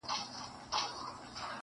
o ږيره زما، اختيار د ملا.